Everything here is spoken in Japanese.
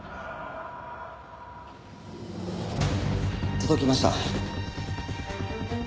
届きました。